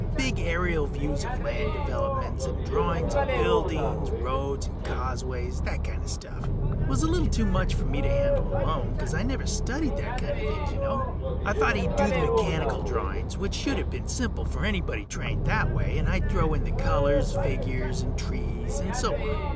Big aerial views of land developments, and drawings of buildings, roads and causeways, that kinda stuff. Was a little too much for me to handle alone, 'cause I never studied that kinda things, ya know. I thought he'd do the mechanical drawings, which shoulda been simple for anybody trained that way, and I'd throw in the colors, figures and trees and so on.